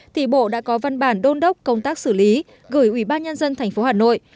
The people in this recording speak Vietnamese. thì bộ đã có văn bản đôn đốc công tác xử lý gửi ubnd tp hà nội